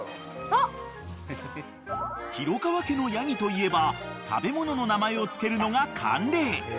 ［廣川家のヤギといえば食べ物の名前を付けるのが慣例］